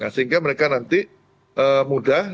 sehingga mereka nanti mudah